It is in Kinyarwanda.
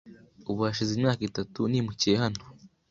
Ubu hashize imyaka itatu nimukiye hano.